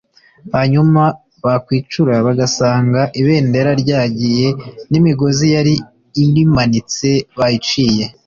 hanyuma bakwicura bagasanga ibendera ryagiye n’imigozi yari irimanitse bayiciye